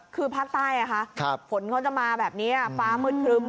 คือภาคใต้ฝนเขาจะมาแบบนี้ฟ้ามืดครึม